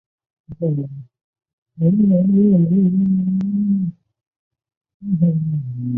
勒马德唐克。